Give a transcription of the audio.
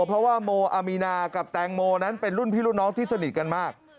เพราะว่าโมอามีนากับแตงโมนั้นเป็นรุ่นพี่รุ่นน้องที่สนิทกันมาก